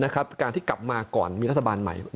การที่กลับมาก่อนมีรัฐบาลใหม่